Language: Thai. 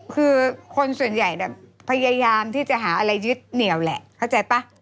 คือคนส่วนใหญ่พยายามที่จะหาอะไรยึดเหนียวแหละเข้าใจป่ะ